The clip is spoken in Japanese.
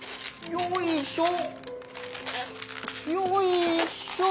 よいしょっ！